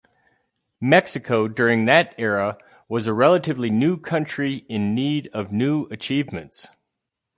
Mexico during that era was a relatively new country in need of new achievements.